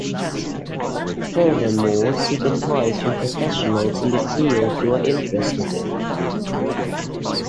Furthermore, seek advice from professionals in the field you are interested in.